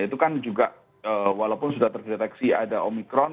itu kan juga walaupun sudah terdeteksi ada omikron